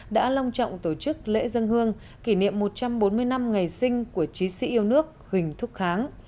đã long trọng tổ chức lễ dân hương kỷ niệm một trăm bốn mươi năm ngày sinh của trí sĩ yêu nước huỳnh thúc kháng